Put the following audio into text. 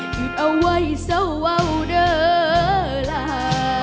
หยุดเอาไว้เซาเอาเดอลา